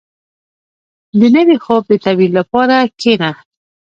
• د نوي خوب د تعبیر لپاره کښېنه.